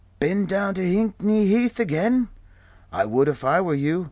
"Been down to Hickney Heath again? I would if I were you.